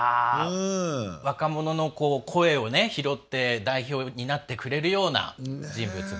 若者の声を拾って代表になってくれるような人物が。